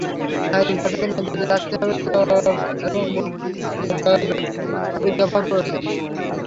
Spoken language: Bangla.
শারীরিক ভাষাকে নিয়ন্ত্রিত রাখতে হবে চোখ এবং মুখাবয়বের সঠিক ব্যবহার প্রয়োজন।